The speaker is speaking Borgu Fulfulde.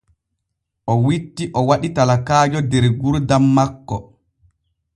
O witti o waɗi talakaajo der gurdam makko.